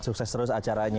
sukses terus acaranya